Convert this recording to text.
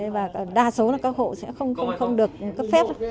và đa số là các hộ sẽ không được cấp phép